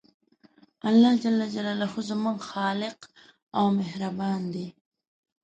الله ج زموږ خالق او مهربان دی